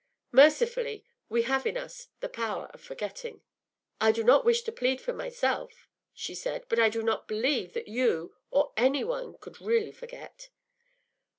Mercifully, we have in us the power of forgetting.” “I do not wish to plead for myself,” she said, “but I do not believe that you or any one could really forget.